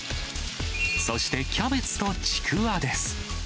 そして、キャベツとちくわです。